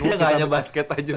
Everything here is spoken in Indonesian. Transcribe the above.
iya gak hanya basket aja bro